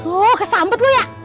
oh kesambut lu ya